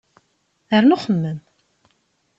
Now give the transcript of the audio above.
Rnu xemmem!